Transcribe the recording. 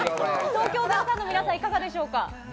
東京０３の皆さん、いかがでしょうか。